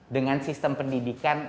dengan sistem pendidikan